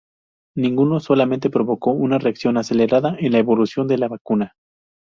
Ninguno, solamente provoca una reacción acelerada en la evolución de la vacuna.